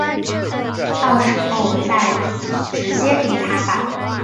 到时再直接给他吧